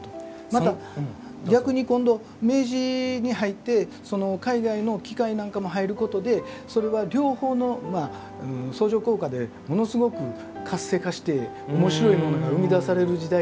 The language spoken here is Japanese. また逆に今度明治に入って海外の機械なんかも入ることでそれは両方の相乗効果でものすごく活性化して面白いものが生み出される時代だと思いますね。